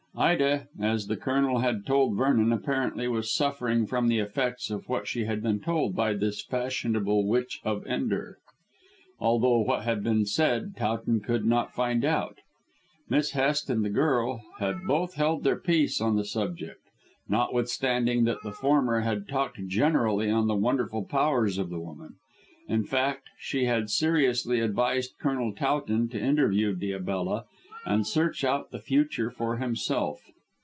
Ida, as the Colonel had told Vernon, apparently was suffering from the effects of what she had been told by this fashionable Witch of Endor, although what had been said Towton could not find out. Miss Hest and the girl had both held their peace on the subject, notwithstanding that the former had talked generally on the wonderful powers of the woman. In fact, she had seriously advised Colonel Towton to interview Diabella and search out the future for himself.